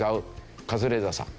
カズレーザーさん。